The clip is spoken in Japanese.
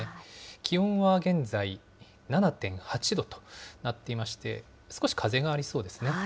気温は現在７．８度となっていまして、少し風がありそうですね。